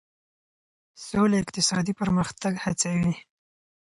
سوله اقتصادي پرمختګ هڅوي.